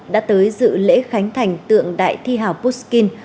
đã tới dự lễ khánh thành tượng đại thi hào pushkin